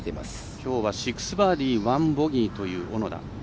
きょうは６バーディー１ボギーという小野田。